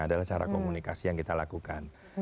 adalah cara komunikasi yang kita lakukan